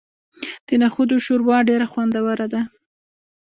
د نخودو شوروا ډیره خوندوره ده.